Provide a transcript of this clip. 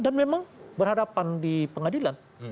dan memang berhadapan di pengadilan